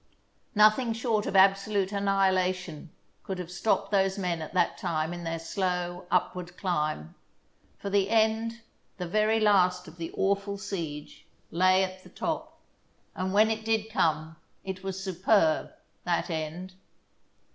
Nothing short of absolute an nihilation could have stopped those men at that time in their slow upward climb, for the end, the very last of the awful siege, lay at the top. And when it did come it was superb, that end.